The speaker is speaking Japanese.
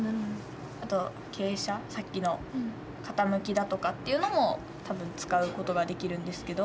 あと傾斜さっきの傾きだとかっていうのも多分使うことができるんですけど。